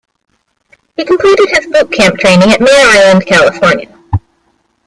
He completed his boot camp training at Mare Island, California.